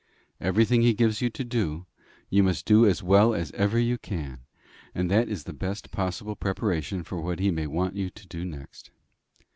Everything he gives you to do, you must do as well as ever you can, and that is the best possible preparation for what he may want you to do next.